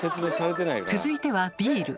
続いてはビール。